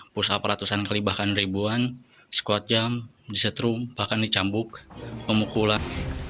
pusat peratusan kali bahkan ribuan squat jam disetrum bahkan dicambuk pemukulan